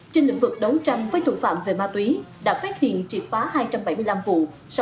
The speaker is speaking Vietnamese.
trên lĩnh vực đấu tranh với tội phạm về ma túy đã phát hiện triệt phá hai trăm bảy mươi năm vụ